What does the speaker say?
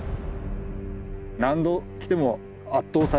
何度来ても圧倒されるというか